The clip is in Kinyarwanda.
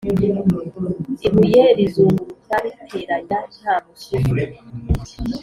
ibuye rizunguruka riteranya nta mususu